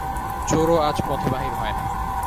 চোরও আজ পথে বাহির হয় না।